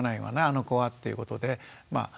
あの子はっていうことでまあ